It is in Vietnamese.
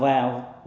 với tờ phơi này